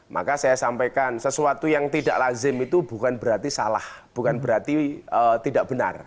maka saya sampaikan sesuatu yang tidak lazim itu bukan berarti salah bukan berarti tidak benar